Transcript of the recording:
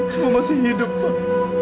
semua masih hidup pak